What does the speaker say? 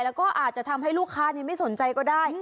แล้วก็อาจจะทำให้ลูกค้าไม่สนใจก็ได้